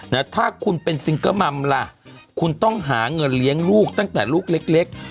นะถ้าคุณเป็นซิงเกิลมัมล่ะคุณต้องหาเงินเลี้ยงลูกตั้งแต่ลูกเล็กเล็ก